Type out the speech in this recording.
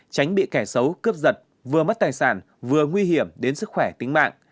tránh bị kẻ xấu cướp giật vừa mất tài sản vừa nguy hiểm đến sức khỏe tính mạng